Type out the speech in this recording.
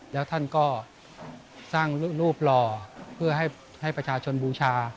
แล้วท่านก็สร้างรูปหล่อเพื่อให้ประชาชนบูชา